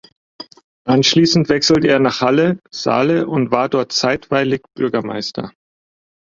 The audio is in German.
Anschließend wechselte er nach Halle (Saale) und war dort zeitweilig Bürgermeister.